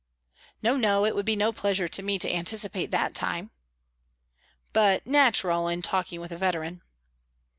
"No, no! It would be no pleasure to me to anticipate that time." "But natural, in talking with a veteran."